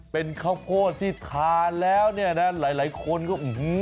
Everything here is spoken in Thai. เป็นข้าวโพดที่ทานแล้วหลายคนก็